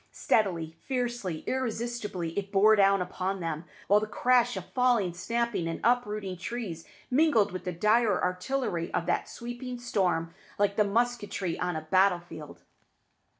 Steadily, fiercely, irresistibly it bore down upon them, while the crash of falling, snapping, and uprooting trees mingled with the dire artillery of that sweeping storm like the musketry on a battle field.